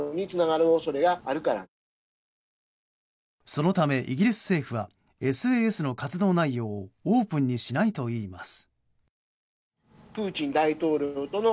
そのため、イギリス政府はＳＡＳの活動内容をオープンにしないといいます。